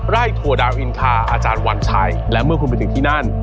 ถั่วดาวอินทาอาจารย์วันชัยและเมื่อคุณไปถึงที่นั่น